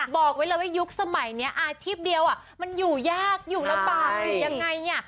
บอกไว้เลยว่ายุคสมัยนี้อาชีพเดียวมันอยู่ยากอยู่ลำบากอยู่ยังไง